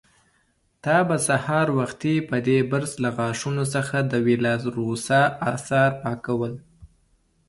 تا به سهار وختي په دې برس له غاښونو څخه د وېلاروسا آثار پاکول.